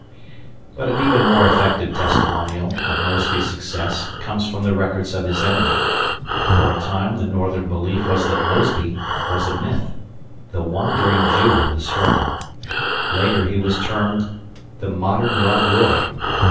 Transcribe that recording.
But an even more effective testimonial of Mosby's success comes from the records of his enemy. For a time the Northern belief was that "Mosby" was a myth, the "Wandering Jew" of the struggle. Later, he was termed the "Modern Rob Roy."